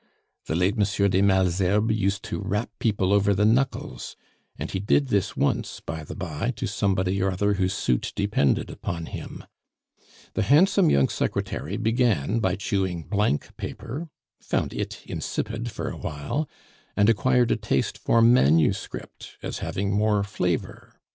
The late M. de Malesherbes use to rap people over the knuckles; and he did this once, by the by, to somebody or other whose suit depended upon him. The handsome young secretary began by chewing blank paper, found it insipid for a while, and acquired a taste for manuscript as having more flavor.